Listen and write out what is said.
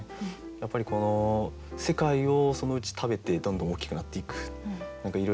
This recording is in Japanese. やっぱり世界をそのうち食べてどんどん大きくなっていく。